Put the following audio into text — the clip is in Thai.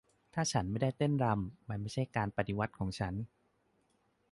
"ถ้าฉันไม่ได้เต้นรำ มันก็ไม่ใช่การปฏิวัติของฉัน"